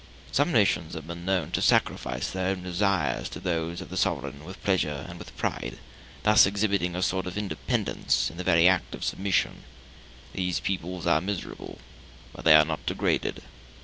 Some nations have been known to sacrifice their own desires to those of the sovereign with pleasure and with pride, thus exhibiting a sort of independence in the very act of submission. These peoples are miserable, but they are not degraded.